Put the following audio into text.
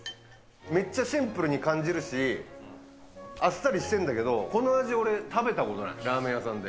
めっちゃシンプルに感じるし、あっさりしてるんだけど、この味、俺食べたことない、ラーメン屋さんで。